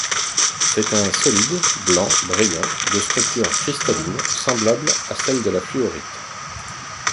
C'est un solide blanc brillant de structure cristalline semblable à celle de la fluorite.